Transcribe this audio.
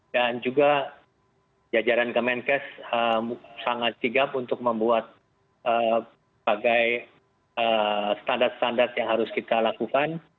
dan juga jajaran kemenkes sangat sigap untuk membuat bagai standar standar yang harus kita lakukan